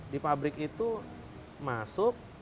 di pabrik itu masuk